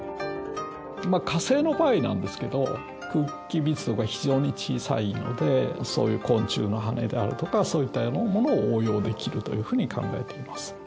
まあ火星の場合なんですけど空気密度が非常に小さいのでそういう昆虫のハネであるとかそういったようなものを応用できるというふうに考えています。